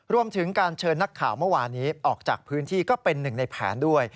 รวมถึงการเชิญนักข่าวเมื่อวานี้ออกจากพื้นที่ก็เป็นหนึ่งในแผนด้วย